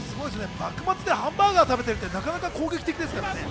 幕末でハンバーガーを食べてるって、なかなか攻撃的ですからね。